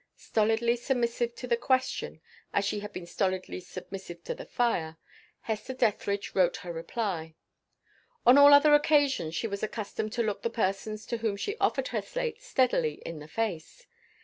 Stolidly submissive to the question, as she had been stolidly submissive to the fire, Hester Dethridge wrote her reply. On all other occasions she was accustomed to look the persons to whom she offered her slate steadily in the face.